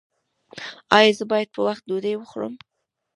ایا زه باید په وخت ډوډۍ وخورم؟